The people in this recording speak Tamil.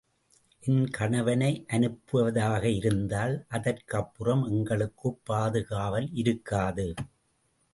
என் கணவனை அனுப்புவதாக இருந்தால் அதற்கப்புறம் எங்களுக்குப் பாதுகாவல் இருக்காது.